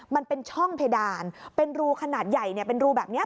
มันเป็นช่องเพดานเป็นรูขนาดใหญ่เป็นรูแบบนี้